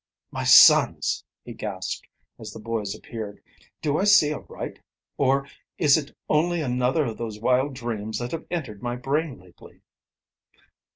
"My sons!" he gasped, as the boys appeared. "Do I see aright, or is it only another of those wild dreams that have entered my brain lately?"